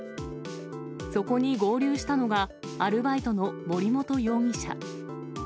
そこに合流したのが、アルバイトの森本容疑者。